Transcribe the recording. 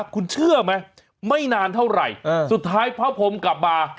คุณเชื่อไหมไม่นานเท่าไหร่สุดท้ายพระพรมกลับมา